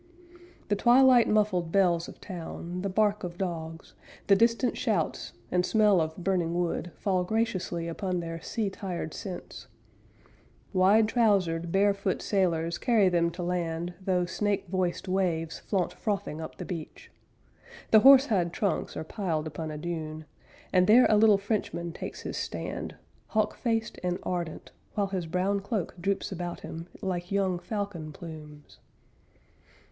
The twilight muffled bells of town, the bark of dogs, The distant shouts, and smell of burning wood, Fall graciously upon their sea tired sense. Wide trousered, barefoot sailors carry them to land, Tho' snake voiced waves flaunt frothing up the beach; The horse hide trunks are piled upon a dune; And there a little Frenchman takes his stand, Hawk faced and ardent, While his brown cloak droops about him Like young falcon plumes.